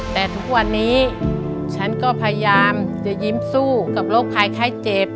แต่ทุกวันนี้ฉันก็พยายามจะยิ้มสู้กับโรคภัยไข้เจ็บ